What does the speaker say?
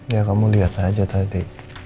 ya kamu lihat aja tadi